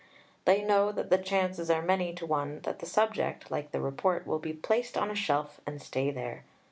They know that the chances are many to one that the subject, like the Report, will be placed on a shelf and stay there.